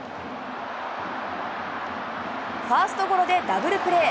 ファーストゴロでダブルプレー。